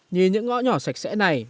nhìn những ngõ nhỏ sạch sẽ này